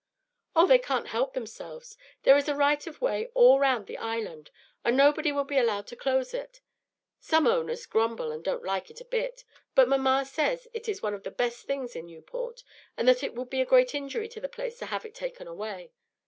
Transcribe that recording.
"Oh, they can't help themselves. There is a right of way all round the Island, and nobody would be allowed to close it. Some owners grumble and don't like it a bit; but mamma says it is one of the best things in Newport, and that it would be a great injury to the place to have it taken away.